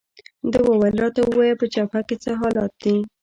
ده وویل: راته ووایه، په جبهه کې څه حالات دي؟